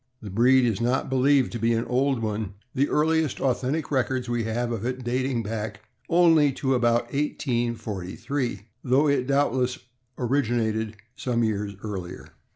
The breed is not believed to be an old one, the earliest authentic records we have of it dating back only to about 1843, though it doubtless originated some years earlier.